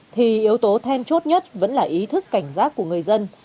thì yếu tố then chốt nhất vẫn là ý thức cảnh giác của người dân